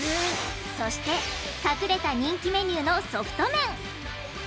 そして隠れた人気メニューのソフト麺！